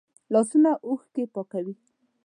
لاسونه اوښکې پاکوي